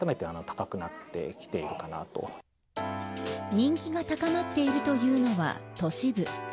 人気が高まっているというのは都市部。